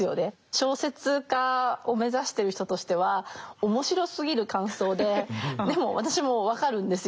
小説家を目指してる人としては面白すぎる感想ででも私も分かるんですよ。